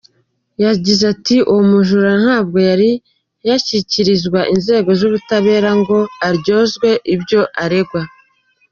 Yagize ati “Uwo mujura ntabwo yari yashyikirizwa inzego z’ubutabera ngo aryozwe ibyo aregwa.